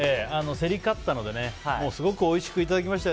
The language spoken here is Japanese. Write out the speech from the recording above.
競り勝ったのですごくおいしくいただきましたよ。